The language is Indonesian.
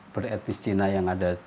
beretnis cina yang ada